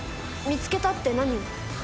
見つけたって何を？